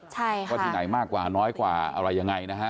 ใช่ค่ะว่าที่ไหนมากกว่าน้อยกว่าอะไรยังไงนะฮะ